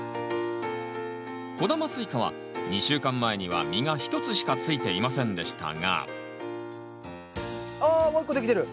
小玉スイカは２週間前には実が１つしかついていませんでしたがあっもう一個できてる！